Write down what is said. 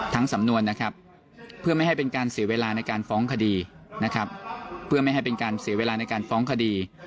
สำนวนนะครับเพื่อไม่ให้เป็นการเสียเวลาในการฟ้องคดีนะครับเพื่อไม่ให้เป็นการเสียเวลาในการฟ้องคดี